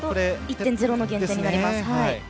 １．０の減点になります。